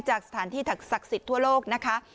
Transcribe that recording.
จากสถานที่ศักดิ์สิทธิ์ทั่วโลกนะคะ